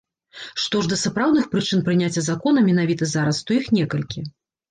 Што ж да сапраўдных прычын прыняцця закона менавіта зараз, то іх некалькі.